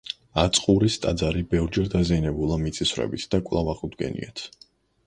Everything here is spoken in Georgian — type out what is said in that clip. აწყურის ტაძარი ბევრჯერ დაზიანებულა მიწისძვრებით და კვლავ აღუდგენიათ.